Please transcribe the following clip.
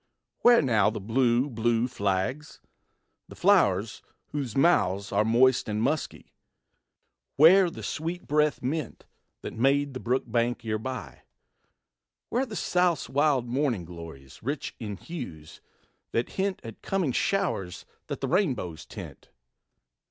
Where now the blue, blue flags? the flow'rs whose mouths Are moist and musky? Where the sweet breathed mint, That made the brook bank herby? Where the South's Wild morning glories, rich in hues, that hint At coming showers that the rainbows tint?